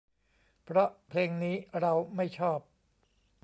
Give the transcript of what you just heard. เพราะเพลงนี้เราไม่ชอบ